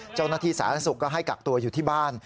เจ้าหน้าที่สาธารณสุขก็ให้กักตัวอยู่ที่บ้าน